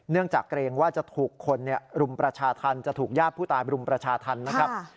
จากเกรงว่าจะถูกคนรุมประชาธรรมจะถูกญาติผู้ตายบรุมประชาธรรมนะครับ